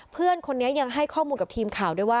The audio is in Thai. เพื่อนคนนี้ยังให้ข้อมูลกับทีมข่าวด้วยว่า